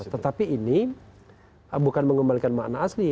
tetapi ini bukan mengembalikan makna asli